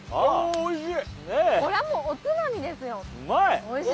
・おいしい！